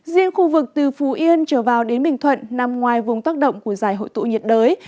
riêng khu vực từ phú yên trở vào đến bình thuận nằm ngoài vùng tác động của giải hội tụ nhiệt đới